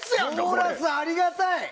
コーラスありがたい！